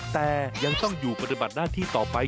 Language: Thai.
แต่ยังต้องอยู่ปฏิบัติหน้าที่ต่อไป